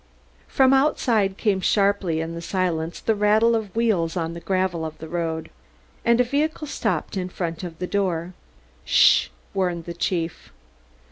From outside came sharply in the silence the rattle of wheels on the gravel of the road, and a vehicle stopped in front of the door. "Sh h h h!" warned the chief.